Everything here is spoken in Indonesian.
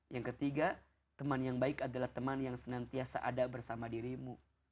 yang ketiga teman yang baik adalah teman yang senantiasa ada bersama dirimu